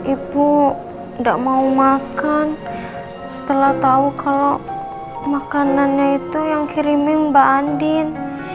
ibu gak mau makan setelah tau kalo makanannya itu yang kirimin mbak andin